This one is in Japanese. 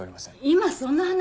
今そんな話は。